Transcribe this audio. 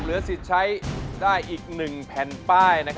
เหลือสิทธิ์ใช้ได้อีก๑แผ่นป้าย